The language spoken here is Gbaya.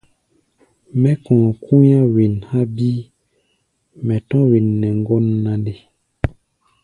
Mɛ́ kɔ̧ɔ̧ kú̧í̧á̧ wen há̧ bíí, mɛ tɔ̧́ wen nɛ ŋgɔ́n na nde?